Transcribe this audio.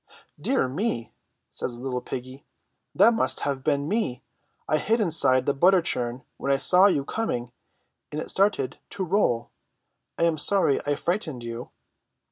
"Dear me!" says the little piggy, "that must have been me ! I hid inside the butter churn when I saw you coming, and it started to roll ! I am sorry I frightened you